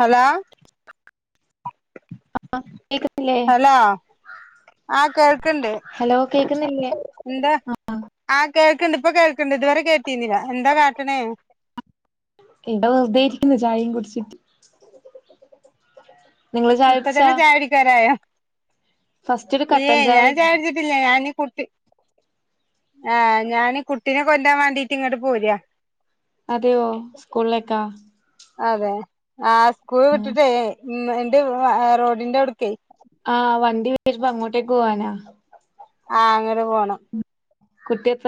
Hello കേക്കുന്നില്ലേ hello ആഹ് കേൾക്ക്ണ്ട് ഹലോ കേക്കുന്നില്ലേ എന്താ ആഹ് കേൾക്കണ്ട് ഇപ്പൊ കേൾക്കണ്ട് ഇതുവരെ കേട്ടീരുന്നില്ല എന്താ കാട്ട്ണേ ഈടെ വെറുതെയിരിക്കുന്നു ചായും കുടിച്ചിട്ട് നിങ്ങള് ചായ ഇപ്പൊ കുടിച്ചാ തന്നെ ചായുടിക്കാരായോ ഫസ്റ്റ് ഒരു ഇല്ലേ കട്ടൻ ചായ ഞാൻ ചായുടി ല്ല ഞാനീ കുട്ടി ആഹ് ഞാനീ കുട്ടിനെ കൊണ്ടോവാൻണ്ടീട്ട് ഇങ്ങോട്ട് പോരാ അതെയോ സ്കൂളിലേക്കാ അതെ ആഹ് സ്കൂൾ ആ വിട്ടിട്ടേ മെഹന്തി റോഡിന്റെവിടക്കേ ആഹ് വണ്ടി കിട്ടിപ്പം അങ്ങോട്ടേക്ക് പോവാനാ ആഹ് അങ്ങനെ പോണ് കുട്ടിയക്ക്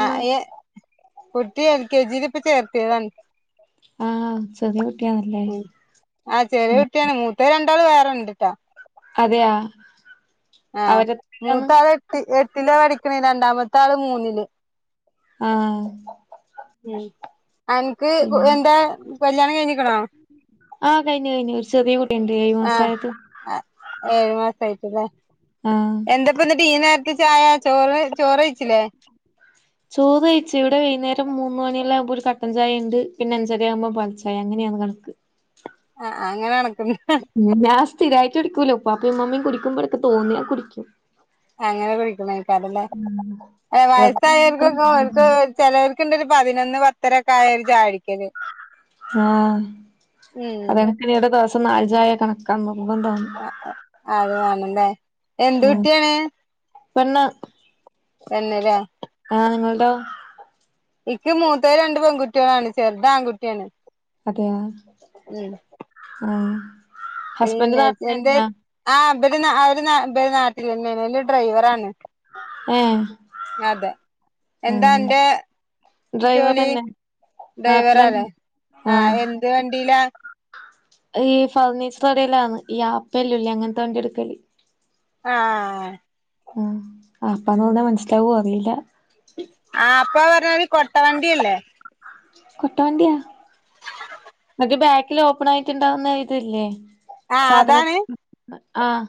ആഹ് ഏഹ് കുട്ടി എൽ കെ ജിൽ ഇപ്പ ചേർത്തീയതാണ് ആഹ് ചെറിയ കുട്ടിയാണല്ലേ ആവ് ചെറിയ ആ, കുട്ടിയാണ് മൂത്തേ രണ്ടാള് വേറെണ്ടിട്ടാ അതെയാ ആഹ് അവരെത്രയിലാന്ന് മൂത്ത ആള് എട്ട് എട്ടിലാ പഠിക്ക്ണേ രണ്ടാമത്തെ ആള് മൂന്നില് ആഹ് ഉം അനക്ക് പിന്നെ എന്താ കല്യാണം കഴിഞ്ഞിക്കണോ ആഹ് കെയിഞ്ഞു കെയിഞ്ഞു ഒരു ചെറിയ കൂടിയുണ്ട് ഏഴ് ആഹ് മാസായതു ആഹ് ഏഴ് മാസായിട്ടില്ലേ ആഹ് ഇപ്പന്നിട്ട് ഈ നേരത്തെ ചായ ചോറ് ചോറ്യിച്ചില്ലേ ചോറ് വെയിച്ചു ഇടെ വൈകുന്നേരം മൂന്ന്‌ മണിയെല്ലാം ആവുമ്പോരു കട്ടൻ ചായണ്ട് പിന്നെ അഞ്ചര ആകുമ്പോ ഒരു പാൽചായ അങ്ങനെയാണ് കണക്ക് ആഹ് അങ്ങനെയാ കണക്ക് ഞാൻ സ്ഥിരായിട്ട്കുടിക്കുല ഉപ്പാപ്പേംമ്മമേം കുടിക്കുമ്പോഴൊക്കെ തോന്നിയാ കുടിക്കും അങ്ങനെ കുടിക്കണയ്ക്കാണല്ലേ വയസ്സായവർക്കൊക്ക വെച്ചാവിടച്ച അവർക്ക് ചിലർക്ക് നിക്കിണ്ടൊരു പതിനൊന്ന് പത്തരൊക്കൊയായ ഒരു ചായുടിക്കല് മ്മ് പിന്നെ ഈടെ ദിവസം നാല്ചായ കണക്കാണ് മുന്ന്‌ തന്നുന്നു ആഹ് അത് കാണല്ലേ എന്ത് ഉം കുട്ടിയാണ് പെണ്ണ് പെണ്ണ്ലേ ആഹ് നിങ്ങളുടൊ നിക്ക് മൂത്തത് രണ്ട് പെൺകുട്ടികളാണ് ചെർത് ആൺകുട്ടിയാണ് അതെയാ ഉം ആഹ് ഹസ്ബൻഡ് പിന്നെ എന്റെ നാട്ടിലിണ്ട ആഹ് ഇവര് അവര് ഇവര് നാട്ടിലന്നെയാണ് ഒരു ഡ്രൈവറാണ് ഏഹ് അതെ എന്താ ആഹ് അന്റെ ഡ്രൈവർ ജോലി തന്നെ ഡ്രൈവറല്ലേ നാട്ടിലെന്നെ ആഹ് എന്ത് വണ്ടീലാ ഈ ഫർണിച്ചറ്കടേയിലാന്ന് ഈ ആപ്പയെല്ലുല്ലേ അങ്ങനത്തെ വണ്ടി എടുക്കല് ആഹ് ആഹ് ആപ്പാന്നു പറഞ്ഞ മനസ്സിലാവുവോന്നറിയില്ല ആപ്പ പറഞ്ഞാല് കൊട്ടവണ്ടിയല്ലേ കൊട്ടവണ്ടിയാ ഒരു ബാക്കില് ഓപ്പൺ ആയിട്ടുണ്ടാവുന്ന ഇതില്ലേ ആഹ് സാധനം അതാണ് ആഹ്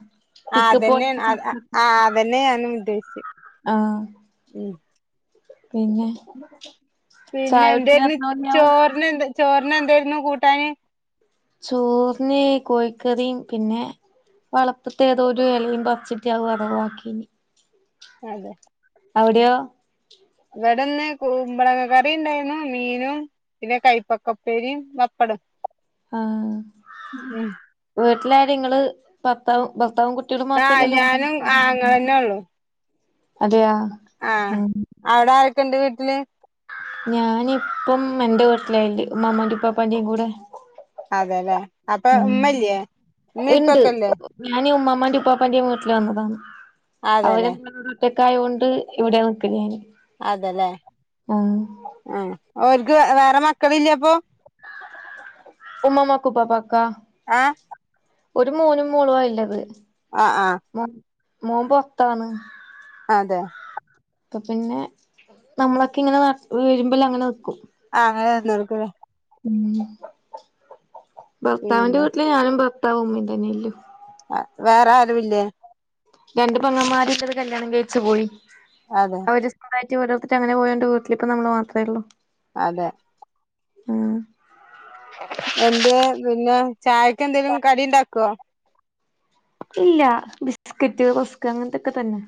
ആഹ് പിക്കപ്പ് അതന്നെണ് ആഹ് അഹ് ആഹ് അതന്നെ ഞാനും ഉദ്ദേശിചെ ആഹ് ഉം പിന്നെ പിന്നെ ചായ കുടിക്കാൻ എന്തായിര്ന് എത്ര മണിയാവും ചോറിന് എന്താ ചോറിന് എന്തായിരുന്നു കൂട്ടാന് ചോറിന് കോഴിക്കറി പിന്നെ വളപ്പത്തെ ഏതോരു എലയും പർ ച്ചിട്ട് അഹ് വറവ് ആക്കിനി അതെ അവ്ടെയോ വിടെന്ന് കൂമ്പളങ്ങ കറി ഉണ്ടായിന്നു മീനും പിന്നെ കൈപ്പക്കപ്പേരിം വപ്പടും ആഹ്. വീട്ടിലാരെങ്ങള് ഭർത്താവും ഭർത്താവും കുട് ട്ട്യളും ആഹ് മാത്രല്ലെള്ളു. ഞാനും ആഹ് ഇങ്ങളന്നെ ഉള്ളു അതെയാ ആഹ്. അവ്ടാരൊക്കെണ്ട് വീട്ടില് ഞാനിപ്പം എൻ്റെ വീട്ടിലായില്ലെ ഉമ്മ മ്മാന്റിം ഉപ്പപ്പാന്റിം കൂടെ അതെലേ അപ്പൊ ഉം ഇമ്മല്യേ ഇമ്മീം ഇണ്ട് പ്പൊക്കെല്ലേ ഞാന് ഉമ്മാമ്മാന്റയും ഉപ്പാപ്പാന്റെയും വീട്ടില് വന്നതാണ് അവര് അതെല്ലേ റ്റക്കായോണ്ട് ഇവിടെ നിക്കല് ഞാന് അതെലേ ആഹ് ആ ഓൽക്ക് വേറെ മക്കളില്ല്യെ പ്പൊ ഉമ്മമാക്കു ഉപ്പാപ്പാക്ക്‌വാ ആഹ് ഒരു മോനും മോളുവാ ഇല്ലത് ആഹ് ആഹ് മോ മോൻ പൊർത്താണ് അതെ പ്പ പിന്നെ നമ്മളൊക്കെ ഇങ്ങനെ വ വെരുമ്പല്ലങ്ങനെ നിക്കും ആ അങ്ങനെ വര്ല് നികുലെ ഉം.. ഭർത്താവിന്റെ പിന്നെ വീട്ടില് ഞാനും ഭർത്താവുംമ്മീം തന്നേല്ലു അ വേറാരു ല്ലേ രണ്ട് പൊങ്ങമ്മാര്ല്ലത് കല്യാണം കെഴിച്ച് പോയി അതെ ഓര് സ്വന്തായിട്ട് വീടെട്ത്തിട്ട് അങ്ങനെ പോയോണ്ട് വീട്ടിലിപ്പം നമ്മള് മാത്രേള്ളൂ അ അതെ ആഹ് എന്തേ പിന്നെ ചായക്ക്‌ എന്തേലും കടി ഇണ്ടാക്കോ ഇല്ല, ബിസ്കറ്റ് റസ്ക് അങ്ങൻ ത്തൊക്കെ തന്നെ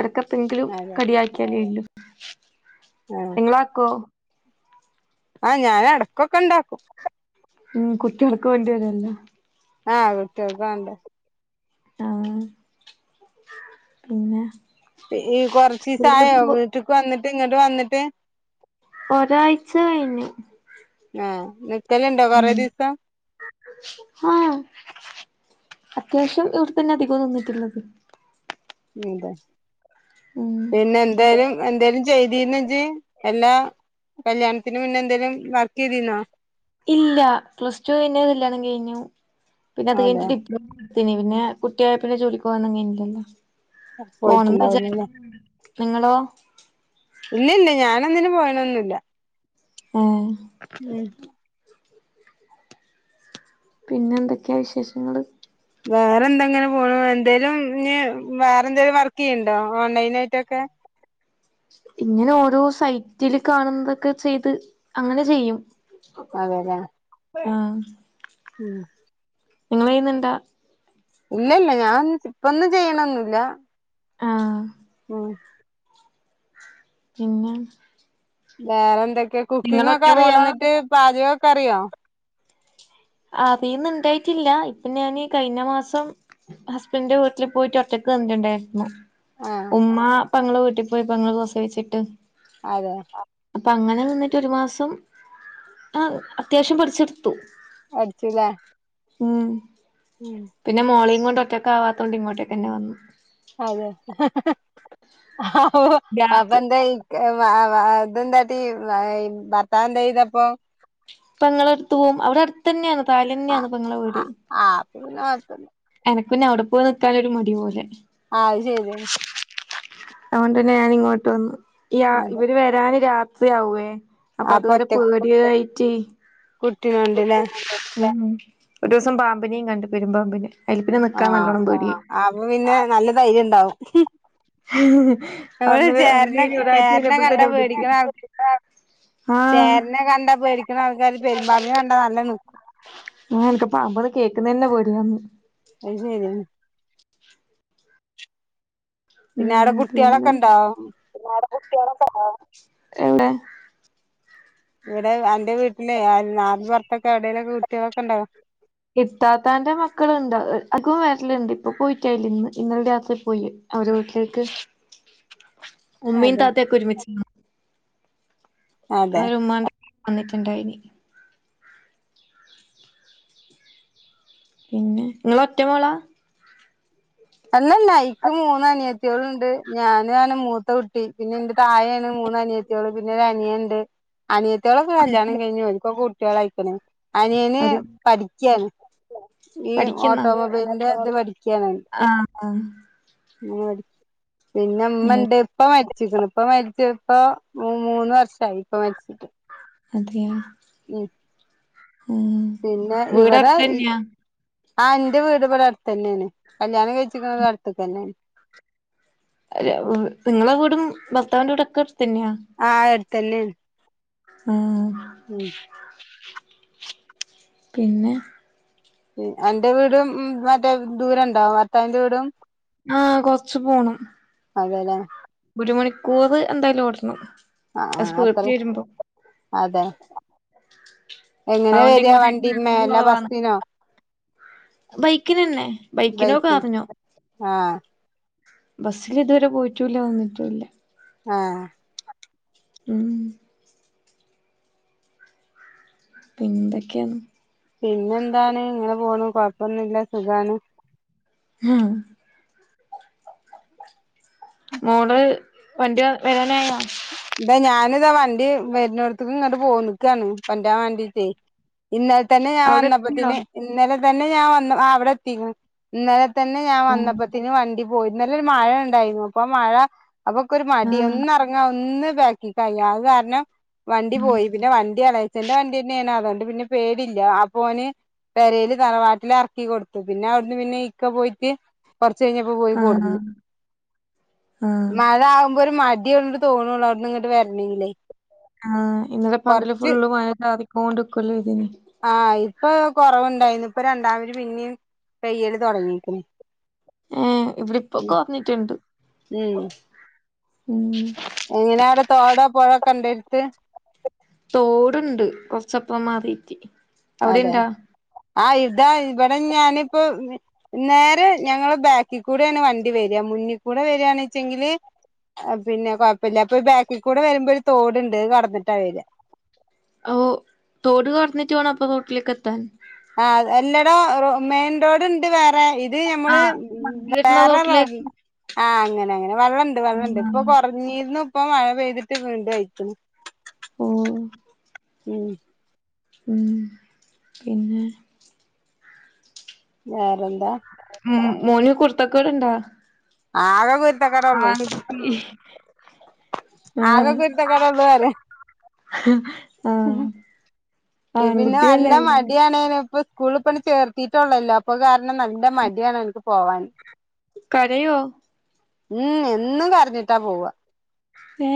എടക്കെപ്പെങ്കിലും അതെ കടിയാക്കിയാലേ ഇല്ലൂ ആഹ് ങ്ങളാക്കോ ആഹ് ഞാനെടക്കൊക്കണ്ടാക്കും ഉം കുട്ടിഅൾക്ക് വേണ്ടി വരല്ലോ ആഹ് കുട്ട്യൾക്ക്‌ വേണ്ടേ ആഹ് പിന്നെ പി ഈ കൊർച്ചീസായോ സ്കൂളിപ്പോ വീട്ട്ക്ക് വന്നിട്ട് ഇങ്ങട്ട് വന്നിട്ട് ഒരാഴ്ച കഴിഞ്ഞു ഏഹ് നിക്കല്ണ്ടോ കൊറെ ഉം ദിവസം ആഹ്, അത്യാവശ്യം ഇവ്ട് തന്നെ അധികം നിന്നിട്ടുള്ളത് ഉം അതെ ഉം പിന്നെ എന്തേലും എന്തേലും ചെയ്തിര്ന്നോ ജ്. എല്ലാ കല്യാൺത്തിന് മുന്നേ എന്തേലും വർക്കെയ്തിന്നോ ഇല്ല പ്ലസ് ടു കഴിഞ് കല്യാണം കഴിഞ്ഞു പിന്നെ അത് അതെ കഴിഞ്ഞിട്ട് ഡി തിനി, പിന്നെ കുട്ടിആയ പിന്നെ ജോലിക്കോവാനൊന്നും കൈനില്ലല്ലോ പോണംന്ന് പോയിട്ടുണ്ടാവുലല്ലേ വിചാരിക്കുന്നുണ്ട്. നിങ്ങളോ ഇല്യല്യ ഞാനൊന്നിനും പോയനൊന്നൂല്യ ഏഹ്.. ഉം പിന്നെന്തൊക്കെയാ വിശേഷങ്ങള് വേറെ എന്തെങ്ങനെ പോണ്. എന്തേലും ഞ് വേറെന്തേലും വർക്കെയ്യ്ണ്ടോ ഓൺലൈൻ ആയിട്ടൊക്കെ ഇങ്ങനോരോ സൈറ്റില് കാണുന്നതൊക്കെ ചെയ്ത് അങ്ങനെ ചെയ്യും അതെ ലേ ആഹ് ഉം നിങ്ങളചെയ്യുന്നുണ്ടാ ഇല്ലല്ല ഞാൻ ഇപ്പൊന്നും ചെയ്യണൊന്നില്ല ആഹ് ഉം പിന്നെ വേറെ എന്തൊക്കെയ കുക്കിംഗ് നിങ്ങളൊറ്റ ഒക്കെ അറിയ മോളാ? എന്നിട്ട് പാചകമൊക്കെ അറിയോ ആഹ് അതീന്ന് ഇണ്ടായിട്ടില്ല ഇപ്പൊ ഞാൻ ഈ കഴിഞ്ഞ മാസം ഹസ്ബൻന്റെ വീട്ടില് പോയിട്ട് ഒറ്റക്ക് നിന്നിട്ട്ണ്ടായിരുന്നു ആഹ് ഉമ്മ പങ്ങള വീട്ടി പോയി പെങ്ങൾ പ്രസവിച്ചിട്ട് അതെ അപ്പൊ അങ്ങനെ നിന്നിട്ട് ഒരു മാസം ആ അത്യാവശ്യം പഠിച്ചെടുത്തു അടിച്ചില്ല ഉം ഉം പിന്നെ മോളേം കൊണ്ട് ഒറ്റക്ക ആവാത്ത കൊണ്ട് ഇങ്ങോട്ടൊക്കെന്നെ വന്നു അതെ രാത്രി അതെപ്പന്ത ഇതെന്താട്ട ഭർത്താ എന്താ ചെയ്തപ്പൊ പങ്ങളെ അടുത്ത് പോകും അവിടെ അടുത്ത് തന്നെയാണ് താല് ആഹ് തന്നെയാണ് പങ്ങളെ വീട് ആഹ് ആഹ് പി പിന്നെ മാത്തന്ന് എനക്ക് പിന്നെ അവിടെ പോയി നിൽക്കാ ഒരു മടി പോലെ ആഹ് അത് ശരിയാണ് അതുകൊണ്ട് തന്നെ ഞാനിങ്ങോട്ട് വന്ന് യാ അതെ ഇവര് വരാന് രാത്രിയാവേ അപ്പൊ അതുവരെ പേടിയായിട്ട് കുട്ടിനോണ്ടില്ലേ ഒരു ദിവസം പാമ്പിനെയയും കണ്ട് പെരുമ്പാമ്പിനന് അയല്പ്പിനെ നിക്കാൻ നല്ലോണ്ണം പേടിയ അ പിന്നെ നല്ല തൈര് ഉണ്ടാവും നമ്മള് അന്ന് അതി ചേരനെ ഇനി ഒരാഴ്ച ചേരനെ കണ്ടാ ഇനപ്പഴത്തന്നെ ഉടുത്തി പേടിക്കണ ആൾ ചേരനെ കണ്ടാ പേടിക്കണ അവർക്കല് പെരുമ്പാമ്പിനെ കണ്ടാ നല്ല നൽക്കും ആ എനക്ക് പാമ്പന്ന് കേക്കുന്ന തന്നെ പേടിയന്ന് അത് ശരിയ ഉം പിന്നെ അവിടെ കുട്ടികളൊക്കെ പിന്നെ ഉണ്ടാവും [unintelligible] എവിടെ ഇവിടെ എന്റെ വീട്ടിലെ നാല് പുറത്തൊക്കെ എവിടേലൊക്കെ കുട്ടികളൊക്കെ ഉണ്ടാവോ ഇത്താത്താന്റെ മക്കളുണ്ട് അതും വേരലുണ്ട് ഇപ്പൊ പോയിട്ടായില്ല ഇന്ന് ഇന്നല രാത്രി പോയി അവര് വീട്ടിലേക്ക് ഉമ്മീൻ അതെ താത്തൊക്കെ ഒരുമിച്ച് അതെ ആ ഉമ്മാണ്ട വന്നിട്ടുണ്ടായിനി പിന്നെ നിങ്ങള ഒറ്റ മോളാ അല്ല നൈക്ക് മൂന്ന അനിയത്തിയോള ഉണ്ട് ഞാന ആന മൂത്ത വിട്ട ട്ട പിന്നെ എന്റെ താഴയാണ് മൂന്ന അനിയത്തികള് പിന്നെ രനിയ ഉണ്ട് അനിയത്തകളൊ കല്യാണം കഴിഞ്ഞു ഒരിക്ക കുട്ടികളൾ അയക്കണേ അനിയന് അത് പഠിക്കാണ് ഈ പഠിക്കുന്നാ ഓട്ടോമൊബൈലിന്റെ അന്ത് പഠിക്കാണ് ആഹ് ആഹ് മ്മടിക്കും പിന്നെ ഉമ്മണ്ട് ഉപ്പ മരിച്ചിക്കണ് ഉപ്പ മരിച്ചിപ്പോ മൂ മൂന്ന് വർഷമായി ഉപ്പ മരിച്ചിട്ട് അതയോ മ് മ് പിന്നെ ഇവിടെ ഈ ആഹ് എന്റെ വീട് ഇവിടെ അടുത്തന്നെയാണ് കല്യാണം കഴിച്ചിക്കുന്ന അടുത്ത്ക്ക് തന്നെയാണ് അല്ല വ് നിങ്ങളെ വീടും ഭർത്താവിന്റെ വീടൊക്കെ അടുത്തന്നെയാ ആഹ് എടത്തന്നെയാണ് ആഹ് പിന്നെ അന്റെ വീടും മറ്റേ ദൂരണ്ടോ ഭർത്താവിന്റെ വീടും ആ കൊറച്ചു പോണം. അതേലെ ഒരു മണിക്കൂർ എന്തായാലും ഓടണം. ആ ആ അത്ര സ്പീഡിൽ വരുമ്പോ അതെ എങ്ങനെ അതുകൊണ്ട് വരിക ഇങ്ങോട്ടേക്ക് വണ്ടിമ്മേ [unintelligible] അല്ല കൊറവാന്ന് ബസ്സിനോ ബൈക്കിനന്നെ ബൈക്കിനൊ കാറിനോ ആഹ് ബസ്സിലിതുവരെ പോയിട്ടൂല്ല വന്നിട്ടൂല്ല ആഹ് ഉം പിന്തെക്കെയാണ് പിന്നെ എന്താണ് ഇങ്ങനെ പോണുകൊഴപ്പൊന്നുല്ല സുഖാണ്. ഹാ മോള് വണ്ടി വരാനായോ? ഇതാ ഞാനിതാ വണ്ടി വരുണോടത്ത്ക്ക് ഇങ്ങട്ട് പോന്നിക്കുവാണ് കൊണ്ട വേണ്ടിട്ടേ ഇന്നലെ തന്നെ ഞാൻ അവിടെ എത്തിയോ വന്നപ്പത്തിന് ഇന്നലെ തന്നെ ഞാൻ വന്ന് ആ വിടെ എത്തിക്കണ് ഇന്നലെ തന്നെ ഞാൻ വന്നപ്പത്തിന് വണ്ടി പോയി ന്നലെ ഒരു മഴ ണ്ടായിരുന്നു അപ്പൊ മഴ അപ്പക്കൊരു മടി ആഹ് ഒന്നെറങ്ങാ ഒന്ന് ബാക്കിക്കായ അത് കാരണം വണ്ടി പോയി പിന്നെ വണ്ടി എളേച്ചന്റെ വണ്ടി തന്നെയാണ് അതുകൊണ്ട് പിന്നെ പേടില്ല അപോന് പെരേല് തറവാട്ടില് എറക്കി കൊടുത്തു പിന്നെ അവിടുന്ന് പിന്നെ ഇക്ക പോയിട്ട് കൊറച്ച് കഴിഞ്ഞപ്പോ പോയി ആഹ് കൊടുന്നു ആഹ് മഴ ആവുമ്പോ ഒരു മടിയുള്ളൊരു തോന്നണം അവിടുന്ന് ഇങ്ങട്ട് വരണെങ്കിലെ ആ ഇന്നലെ പകല് ഫുള്ള് മഴ ചാറിക്കൊണ്ടിക്കുവല്ലെതിന് ആ ഇപ്പൊ കൊറവുണ്ടായിനു ഇപ്പ രണ്ടാമത് പിന്നേം പെയ്യാൽ തൊടങ്ങിയേക്കണ്. മ് ഇവിടിപ്പൊ കൊറഞ്ഞിട്ടുണ്ട് ഉം ഉം എങ്ങനെ അവിടെ തോടോ പൊഴക്കെണ്ടടുത്ത് തോടുണ്ട് കൊറച്ചപ്പറം മാറിട്ട്. അതെ ആ ഇതാ ഇവിടെ ഞാനിപ്പോ മി നേരെ ഞങ്ങള് ബാക്കി കൂടെയാണ് വണ്ടി വര്വ മുന്നിൽ കൂടെ വര്വാണേച്ചെങ്കില് പിന്നെ കൊഴപ്പില്ല അപ്പൊ ബാക്കി കൂടെ വരുമ്പോ ഒരു തോടുണ്ട് അത് കടന്നിട്ടാ വര്വാ ഓ തോട് കടന്നിട്ട് വേണോ അപ്പൊ റോട്ടിലേക്കെത്താൻ ആ എല്ലടോ മെയിൻ റോഡ്ണ്ട് വേറെ ഇ ത് ഞമ്മള് ആഹ് വണ്ടി വരുന്ന വേറെ റോഡ് റോട്ടിലേക്ക് ആ അങ്ങനെങ്ങനെ വെള്ളണ്ട് വെള്ളണ്ട് ഇപ്പൊ കുറഞ്ഞിരുന്നു ഇപ്പ മഴ പെയ്തിട്ട് വീണ്ടും അയിക്കണ് ഓ ഉം മ് പിന്നെ വേറെന്താ ഉ മോന് കുർത്തക്കേട്ണ്ടാ ആക കുരുത്തക്കേടെള്ളു. ആകെ ആഹ് കുരുത്തക്കടള്ളൂ പറ ആഹ് പിന്നെ നല്ല ആൺകുട്ടിയല്ലേ അല്ലേ മടിയാണേന് ഇപ്പ സ്കൂള കൊണ്ട് ചേർത്തിട്ടുള്ളല്ലോ അപ്പൊ അത് കാരണം നല്ല മടിയാണ് ഓൻക്ക് പോവാന്. കരയോ? ഉം എന്നും കരഞ്ഞിട്ടാ പോവ ഏ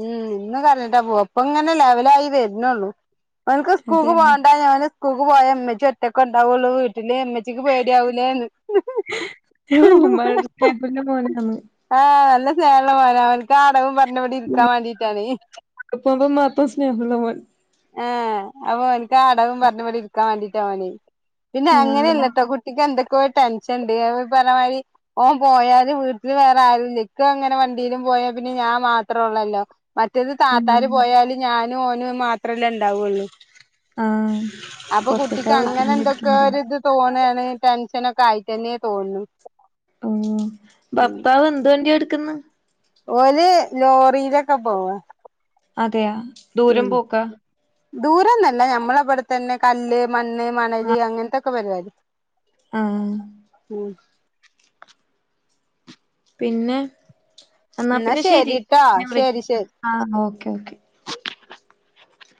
ഉം എന്ന് കരഞ്ഞിട്ടാ പോവ ഇപ്പ ഇങ്ങനെ ലെവലായി വരുന്നുള്ളൂ. എനക്ക് അതെ സ്കൂക്ക് പോണ്ട ഞാന് സ്കൂക്ക് പോയ ഉമ്മച്ചി ഒറ്റക്ക ഉണ്ടാവ്‌ള്ളൂ വീട്ടില് ഉമ്മച്ചിക്ക് പേടിയാവില്ലേ യു ഉമട് ക്യാറ്റ്റിംഗ് പോലെ അന്ന് ആ നല്ല സ്നേഹള്ള മോനാ അവന്ക്ക് ആ അടവും പറഞ്ഞിവ്‌ടെ ഇരിക്കാൻ വേണ്ടിട്ടാണ് സ്‌കൂപ്പോമ്പം മാത്രം സ്നേഹള്ള മോൻ. ആഹ് അപ്പൊ ഓൻക്ക് ആ അടവും പറഞ്ഞിവിടെ ഇരിക്കാൻ വേണ്ടീട്ടാ ഓന്. പിന്നെ ആഹ് അങ്ങനെയല്ലട്ടോ കുട്ടി ട്ടിക്ക് എന്തൊക്കൊരു ടെൻഷൻണ്ട് അ ഇ പറഞ്ഞമാരി ഓൻ പോയാല് വീട്ടില് വേറെ ആരൂല്ല ഇക്ക അങ്ങനെ വണ്ടിയിലും പോയാ പിന്നെ ഞാൻ മാത്രേ ഒള്ളല്ലോ മറ്റേത് താത്താര് ആഹ് പോയാല് ഞാനും ഓനും മാത്രല്ലേ ഒണ്ടാവൊള്ളു ആഹ് അപ്പൊ ഇപ്പൊ ഒറ്റക്കാ കുട്ടിക്ക് അങ്ങനെ എന്തൊക്കെ വീട്ടിലിരിക്കണത് ഒരു ഇത് തോന്നേണ് ടെൻഷനൊക്കെ ആയിട്ട് തന്നെ തോന്നും ആഹ് ഭർത്താവ് എന്ത് വണ്ടിയാ എട്ക്ക്ന്ന് ഓര് ലോറീലൊക്കെ പോവ. അതെയ ദൂരം പോക്ക? ദൂരൊന്നല്ല ഞമ്മള ഇവിടെത്തന്നെ കല്ല്, മണ്ണ്, മണല് അങ്ങനത്തൊക്കെ പരിപാടി. ആഹ് ഉം പിന്നെ എന്നാ പിന്നെ ശരി ശരിട്ടോ ഞാൻ വിളി ശരി ശരി ആഹ് ഓക്കേ ഓക്കെ